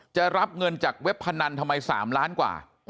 จะรับเงินจากเว็บพนันทำไม๓ล้านกว่า